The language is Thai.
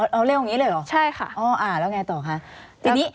เอาเร็วอย่างนี้เลยเหรอแล้วไงต่อค่ะใช่ค่ะ